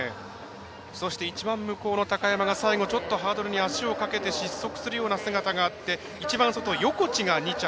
一番向こうの高山が最後、ちょっとハードルに足をかけて失速するような姿があって一番外、横地が２着。